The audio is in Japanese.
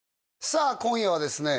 さあ今夜はですね